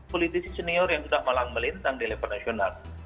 politisi senior yang sudah malang melintang di level nasional